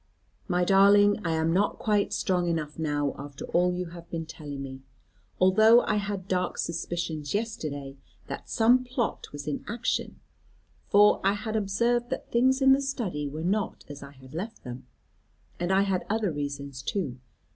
"My darling, I am not quite strong enough now after all you have been telling me. Although I had dark suspicions yesterday that some plot was in action; for I had observed that things in the study were not as I had left them; and I had other reasons too.